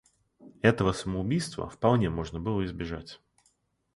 Этого самоубийства вполне можно было избежать.